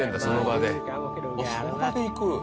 その場でいく？